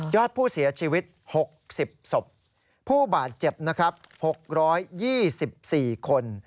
ยอดผู้เสียชีวิต๖๐ศพผู้บาดเจ็บ๖๒๔คน